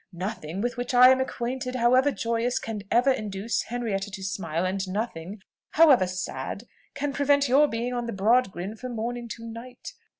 Nothing with which I am acquainted, however joyous, can ever induce Henrietta to smile; and nothing, however sad, can prevent your being on the broad grin from morning to night.